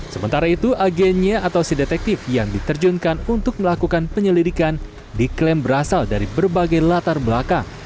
sementara itu agennya atau sidetektif yang diterjunkan untuk melakukan penyelidikan diklaim berasal dari berbagai latar belakang